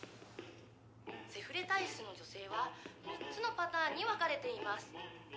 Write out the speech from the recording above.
セフレ体質の女性は３つのパターンに分かれています。